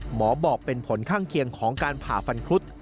หมอบอกเป็นผลข้างเคียงของการผ่าฟันครุฑ